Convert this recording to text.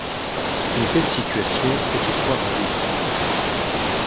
Une telle situation est toutefois rarissime.